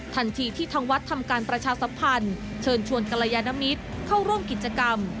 ทันทีที่ทางวัดทำการประชาสัมพันธ์เชิญชวนกรยานมิตรเข้าร่วมกิจกรรม